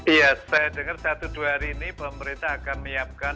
iya saya dengar satu dua hari ini pemerintah akan menyiapkan